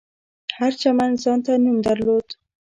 هر چمن ځانته نوم درلود.